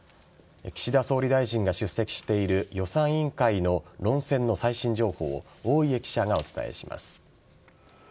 岸田総理大臣が出席している予算委員会の論戦の最新情報を大家記者がお伝えします。